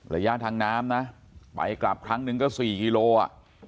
ระยะทางน้ำนะไปกลับครั้งหนึ่งก็๔กิโลอ่ะ